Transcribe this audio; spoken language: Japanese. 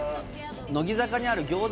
乃木坂にある餃子